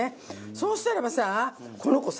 そうしたらばこの子さ。